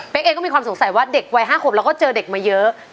เองก็มีความสงสัยว่าเด็กวัย๕ขวบแล้วก็เจอเด็กมาเยอะ